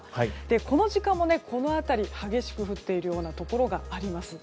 この時間もこの辺り激しく降っているようなところがあります。